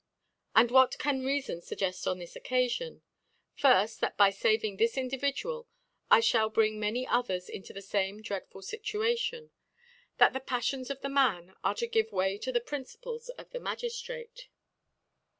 . And what can Reafon fugged on this Occafion ? Firft, that by faving this In dividual, I fball bring many others into the fame dreadful Situation, That the Paflions of the Man are to give Wny to the Prin ciples of the Magiftrate.